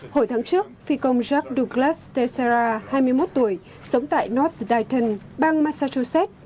hồi tháng trước phi công jacques douglas tessera hai mươi một tuổi sống tại north dayton bang massachusetts